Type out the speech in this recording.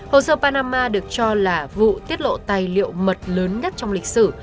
hồ sơ panama được cho là vụ tiết lộ tài liệu mật lớn nhất trong lịch sử